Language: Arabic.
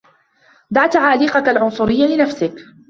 دع تعاليقك العنصريّة لنفسك.